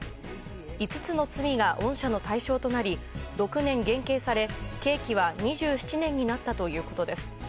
５つの罪が恩赦の対象となり６年減刑され、刑期は２７年になったということです。